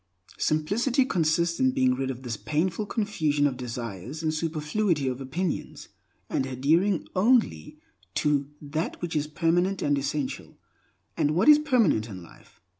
Simplicity consists in being rid of this painful confusion of desires and superfluity of opinions, and adhering only to that which is permanent and essential. And what is permanent in life?